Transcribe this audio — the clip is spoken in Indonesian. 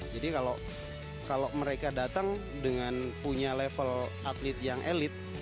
jadi kalau mereka datang dengan punya level atlet yang elit